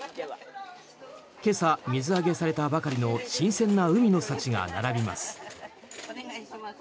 今朝、水揚げされたばかりの新鮮な海の幸が並びます。